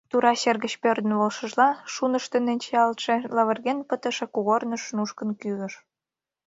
Тура сер гыч пӧрдын волышыжла, шунышто ненчаялтше, лавырген пытыше кугорныш нушкын кӱзыш.